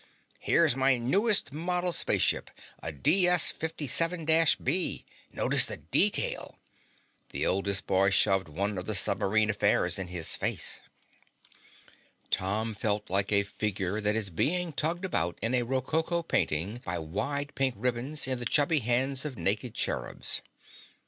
"Here's my newest model spaceship, a DS 57 B. Notice the detail." The oldest boy shoved one of the submarine affairs in his face. Tom felt like a figure that is being tugged about in a rococo painting by wide pink ribbons in the chubby hands of naked cherubs.